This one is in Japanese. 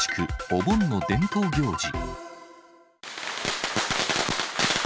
お盆の伝統行事。